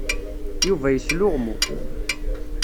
Yuba yesluɣmu.